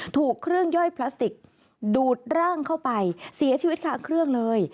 ถูกเครื่องย่อยพลาสติกดูดร่างเข้าไปเสียชีวิตคาเครื่องเลย